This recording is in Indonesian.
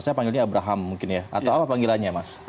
saya panggilnya abraham mungkin ya atau apa panggilannya mas